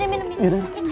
mau minum gak pak boim ya